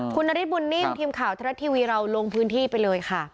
คุณนฤทธบุญนิ่มทีมข่าวทรัฐทีวีเราลงพื้นที่ไปเลยค่ะ